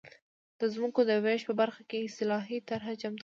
د ځمکو د وېش په برخه کې اصلاحي طرحه چمتو کړه.